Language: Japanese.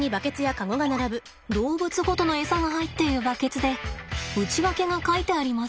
動物ごとのエサが入っているバケツで内訳が書いてあります。